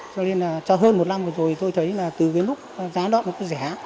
cho nên là cho hơn một năm rồi tôi thấy từ lúc giá đoạn nó có rẻ